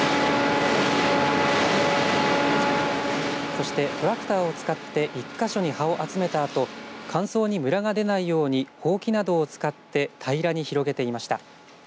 そして、トラクターを使って１か所に葉を集めたあと乾燥にむらが出ないようにほうきなどを使って平らに広げていました。